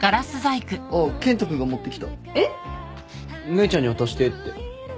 姉ちゃんに渡してって。